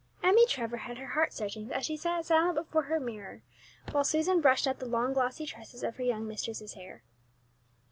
Emmie Trevor had her heart searchings as she sat silent before her mirror, while Susan brushed out the long glossy tresses of her young mistress's hair.